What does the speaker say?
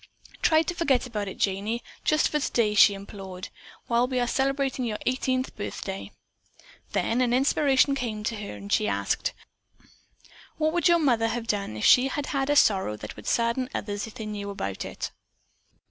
"Try to forget about it, Janey, just for today," she implored, "while we are celebrating your eighteenth birthday." Then an inspiration came to her and she asked: "What would your mother have done if she had had a sorrow that would sadden others if they knew about it?"